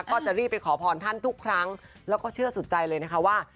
ก็จะรีบไปขอพรท่านทุกครั้งแล้วก็เชื่อสุดใจเลยนะคะว่า